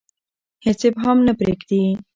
هیڅ ابهام نه پریږدي.